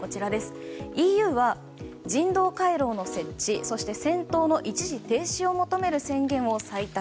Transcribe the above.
ＥＵは人道回廊の設置そして、戦闘の一時停止を求める宣言を採択。